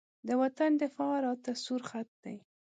د وطن دفاع راته سور خط دی.